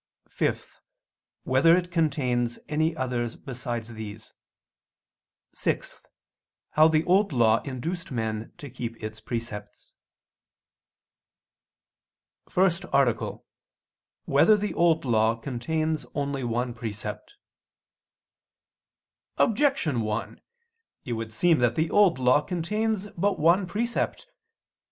(5) Whether it contains any others besides these? (6) How the Old Law induced men to keep its precepts. ________________________ FIRST ARTICLE [I II, Q. 99, Art. 1] Whether the Old Law Contains Only One Precept? Objection 1: It would seem that the Old Law contains but one precept.